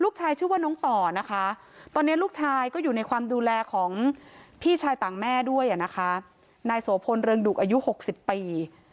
ด้วยอะนะคะนายโสพลเริงดุกอายุ๖๐ปี